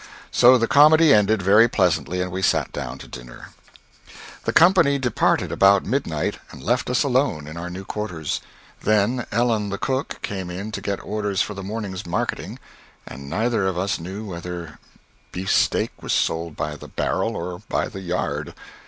So the comedy ended very pleasantly, and we sat down to supper. The company departed about midnight, and left us alone in our new quarters. Then Ellen, the cook, came in to get orders for the morning's marketing and neither of us knew whether beefsteak was sold by the barrel or by the yard.